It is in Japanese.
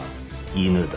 犬だ。